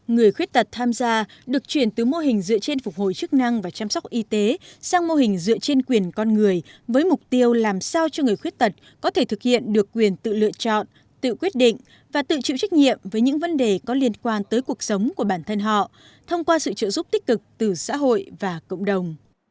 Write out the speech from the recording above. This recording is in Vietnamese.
người khuyết tật tham gia được chuyển từ mô hình dựa trên phục hồi chức năng và chăm sóc y tế sang mô hình dựa trên quyền con người với mục tiêu làm sao cho người khuyết tật có thể thực hiện được quyền tự lựa chọn tự quyết định và tự chịu trách nhiệm với những vấn đề có liên quan tới cuộc sống của bản thân họ thông qua sự trợ giúp tích cực từ xã hội và cộng đồng